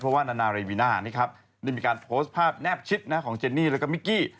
เพราะว่านานาเรวิน่าได้มีการโพสต์ภาพแนบชิดของเจนนี่แล้วก็มิกกี้